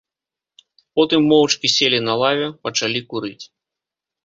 Потым моўчкі селі на лаве, пачалі курыць.